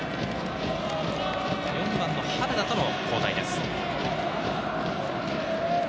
４番の原田との交代です。